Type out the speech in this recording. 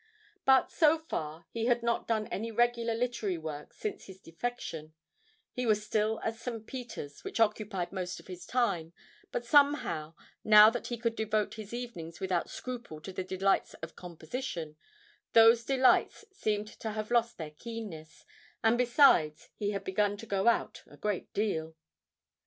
But, so far, he had not done any regular literary work since his defection: he was still at St. Peter's, which occupied most of his time, but somehow, now that he could devote his evenings without scruple to the delights of composition, those delights seemed to have lost their keenness, and besides, he had begun to go out a great deal.